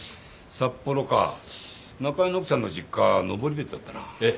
札幌か中井の奥さんの実家は登別だったなええ